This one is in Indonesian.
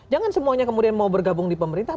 jangan semuanya kemudian mau bergabung di pemerintah